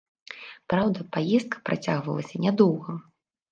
Праўда, паездка працягвалася нядоўга.